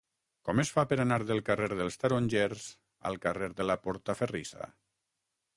Com es fa per anar del carrer dels Tarongers al carrer de la Portaferrissa?